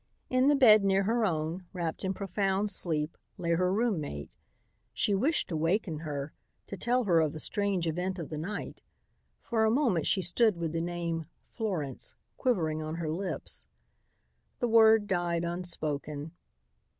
In the bed near her own, wrapped in profound sleep, lay her roommate. She wished to waken her, to tell her of the strange event of the night. For a moment she stood with the name "Florence" quivering on her lips. The word died unspoken.